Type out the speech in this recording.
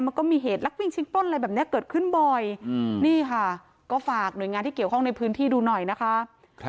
มันก็มีเหตุลักวิ่งชิงป้นอะไรแบบนี้เกิดขึ้นบ่อยนี่ค่ะก็ฝากหน่วยงานที่เกี่ยวข้องในพื้นที่ดูหน่อยนะคะ